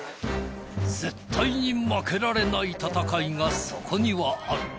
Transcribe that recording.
絶対に負けられない戦いがそこにはある。